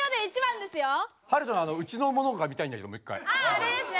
あああれですね！